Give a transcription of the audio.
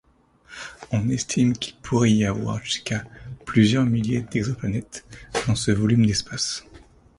On estime qu'il pourrait y avoir jusqu'à plusieurs milliers d'exoplanètes dans ce volume d'espace.